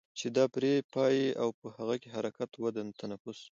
چې دا پرې پايي او په هغو کې حرکت، وده، تنفس